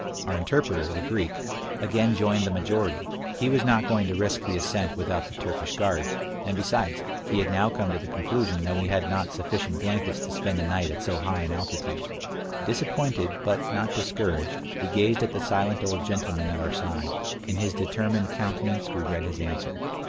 Our interpreter, the Greek, again joined the majority; he was not going to risk the ascent without the Turkish guards, and besides, he had now come to the conclusion that we had not sufficient blankets to spend a night at so high an altitude. Disappointed, but not discouraged, we gazed at the silent old gentleman at our side. In his determined countenance we read his answer.